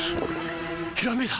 ひらめいた！